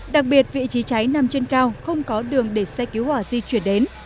đặc biệt vị trí cháy nằm trên cao không có đường để xe cứu hỏa di chuyển đến